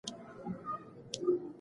کړکۍ د دوړو پر مهال وتړئ.